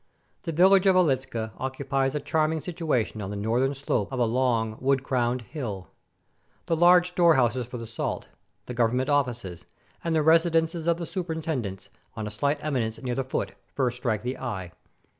The village of Wiehczka occupies a charming situation on the northern slope of a long, wood crowned hill. The large store houses for the salt, the government offices, and the resi dences of the superintendents, on a slight eminence near the foot, first strike the eye.